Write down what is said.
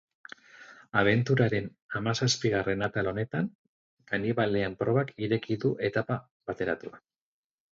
Abenturaren hamazazpigarren atal honetan, kanibalen probak ireki du etapa bateratua.